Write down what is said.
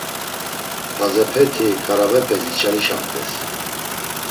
Bazepeti ǩaravepes içalişamt̆es.